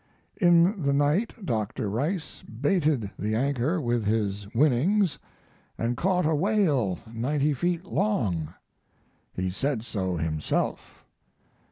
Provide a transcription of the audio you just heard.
In the night Dr. Rice baited the anchor with his winnings & caught a whale 90 feet long. He said so himself.